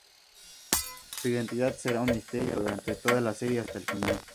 Su identidad será un misterio durante toda la serie, hasta el final.